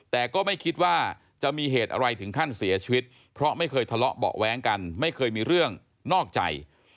แต่ก็ไม่คิดว่าจะมีเหตุอะไรถึงขั้นเสียชีวิตเพราะไม่เคยทะเลาะเบาะแว้งกันไม่เคยมีเรื่องนอกใจ